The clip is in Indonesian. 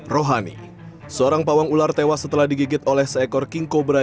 rohani seorang pawang ular tewas setelah digigit oleh seekor king cobra